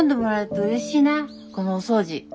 このお掃除。